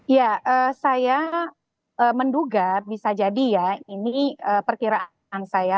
ya saya menduga bisa jadi ya ini perkiraan saya